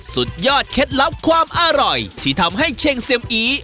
สุดยอดเคล็ดลับความอร่อยที่ทำให้เชงเซียมอี